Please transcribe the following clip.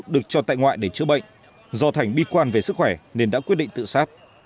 được cho tại ngoại để chữa bệnh do thành bi quan về sức khỏe nên đã quyết định tự sát